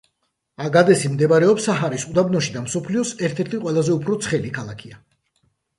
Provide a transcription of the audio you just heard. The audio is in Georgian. აგადესი მდებარეობს საჰარის უდაბნოში და მსოფლიოს ერთ-ერთი ყველაზე უფრო ცხელი ქალაქია.